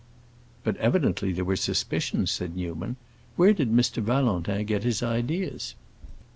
"But evidently there were suspicions," said Newman. "Where did Mr. Valentin get his ideas?"